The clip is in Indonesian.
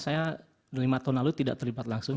saya lima tahun lalu tidak terlibat langsung